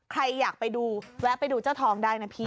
ใครอยากไปดูแวะไปดูเจ้าทองได้นะพี่